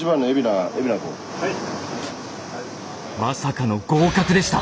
まさかの合格でした。